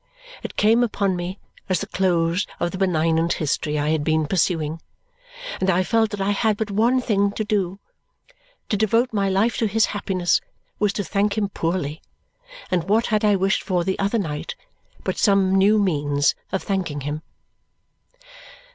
It came upon me as the close of the benignant history I had been pursuing, and I felt that I had but one thing to do. To devote my life to his happiness was to thank him poorly, and what had I wished for the other night but some new means of thanking him?